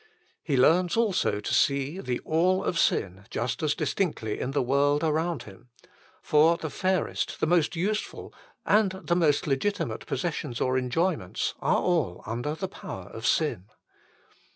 He learns also to see the All of sin just as distinctly in the world around him ; for the fairest, the most useful, and the most legitimate possessions or enjoy ments are all under the power of sin.